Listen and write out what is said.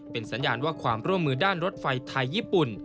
เป็นสัญญาณว่าความร่วมมือด้านรถไฟไทยญี่ปุ่น